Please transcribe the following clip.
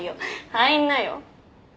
入んなよ。